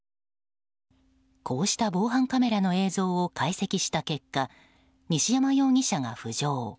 こうした防犯カメラの映像を解析した結果西山容疑者が浮上。